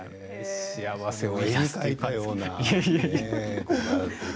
幸せを絵に描いたような。